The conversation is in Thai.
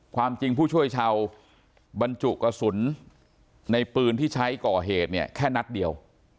ความจริงผู้ช่วยชาวบรรจุกระสุนในปืนที่ใช้ก่อเหตุเนี่ยแค่นัดเดียว